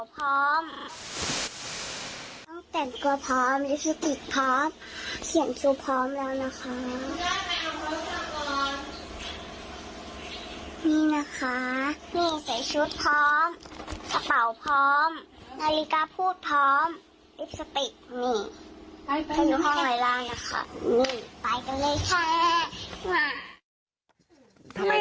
ทำไมนาฬิกาพูดนะ